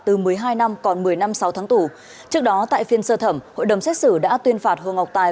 từ một mươi hai năm còn một mươi năm sáu tháng tù trước đó tại phiên sơ thẩm hội đồng xét xử đã tuyên phạt hồ ngọc tài